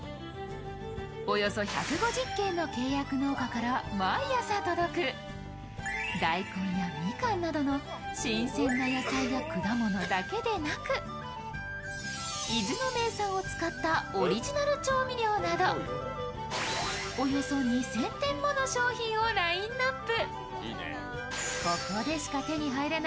およそ１５０軒の契約農家から毎朝届く、大根やみかんなどの新鮮な野菜や果物だけでなく、伊豆の名産を使ったオリジナル調味料など、およそ２０００点もの商品をラインナップ。